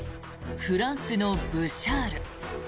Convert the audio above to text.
フランスのブシャール。